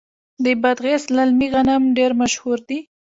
د بادغیس للمي غنم ډیر مشهور دي.